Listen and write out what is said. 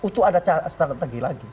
itu ada strategi lagi